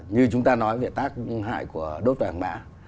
như chúng ta nói về tác hại của đốt vàng mã